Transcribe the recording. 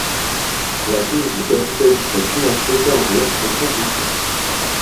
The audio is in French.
La crise du capitalisme financier perdure et s’amplifie.